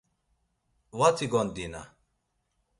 Vati gondina.